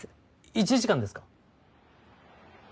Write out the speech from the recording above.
１時間ですか。